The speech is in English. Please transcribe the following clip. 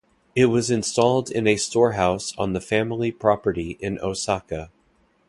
It was installed in a storehouse on the family property in Osaka.